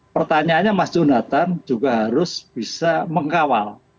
pertanyaannya mas jonathan juga harus bisa mengawal